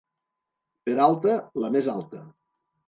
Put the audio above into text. Peralta, la més alta.